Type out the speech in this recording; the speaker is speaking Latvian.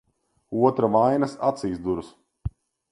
Otra vainas acīs duras.